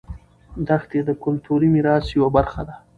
دښتې د کلتوري میراث یوه برخه ده.